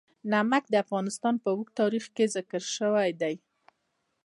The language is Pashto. نمک د افغانستان په اوږده تاریخ کې ذکر شوی دی.